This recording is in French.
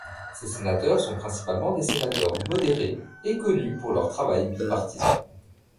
Ces sénateurs sont principalement des sénateurs modérés et connus pour leur travail bipartisan.